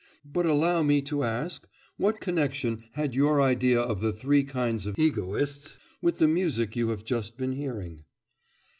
But allow me to ask what connection had your idea of the three kinds of egoists with the music you have just been hearing?